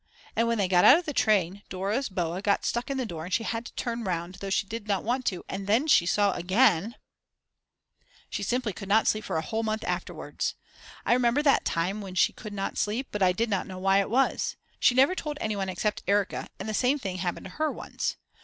And when they got out of the train Dora's boa got stuck in the door and she had to turn round though she did not want to, and then she saw again ! She simply could not sleep for a whole month afterwards. I remember that time when she could not sleep but I did not know why it was. She never told anyone except Erika and the same thing happened to her once.